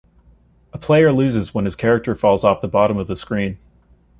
A player loses when his character falls off the bottom of the screen.